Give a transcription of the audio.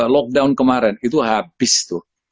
lockdown kemarin itu habis tuh